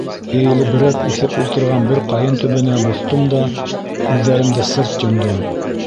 Эйелеберәк үҫеп ултырған бер ҡайын төбөнә боҫтом да, күҙҙәремде сырт йомдом.